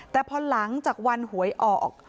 แต่พอหลังจากวันหวยออก